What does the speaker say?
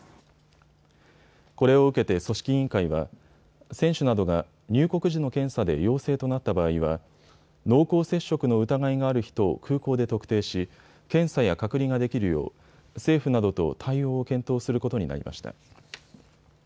これを受けて組織委員会は、選手などが入国時の検査で陽性となった場合は濃厚接触の疑いがある人を空港で特定し検査や隔離ができるよう政府などと対応を検討することになりました。